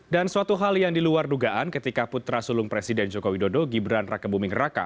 dan suatu hal yang diluar dugaan ketika putra sulung presiden joko widodo gibran rakebuming raka